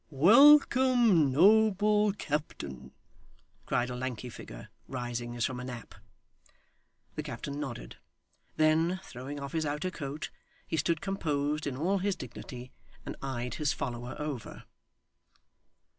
'Welcome, noble captain!' cried a lanky figure, rising as from a nap. The captain nodded. Then, throwing off his outer coat, he stood composed in all his dignity, and eyed his follower over.